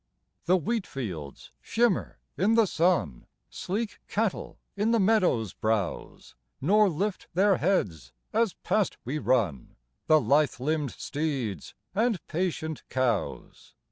The wheat fields shimmer in the sun, Sleek cattle in the meadows browse, Nor lift their heads, as past we run, The lithe limbed steeds and patient cows.